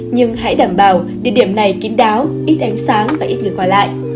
nhưng hãy đảm bảo địa điểm này kín đáo ít ánh sáng và ít người qua lại